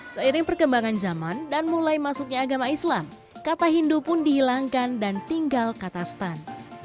seiring perkembangan zaman dan mulai masuknya agama islam kata hindu pun dihilangkan dan tinggal kata stan